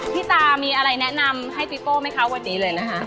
ตามีอะไรแนะนำให้พี่โป้ไหมคะวันนี้เลยนะคะ